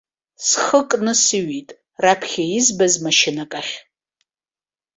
Схы кны сыҩит, раԥхьа избаз машьынак ахь.